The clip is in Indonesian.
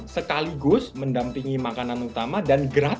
sekaligus mendampingi makanan utama dan gratis